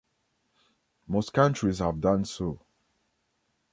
Most countries have done so.